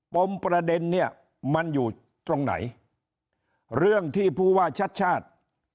ปมประเด็นเนี่ยมันอยู่ตรงไหนเรื่องที่ผู้ว่าชัดชาติ